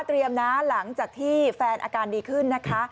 นะหลังจากที่แฟนอาการดีขึ้นนะคะ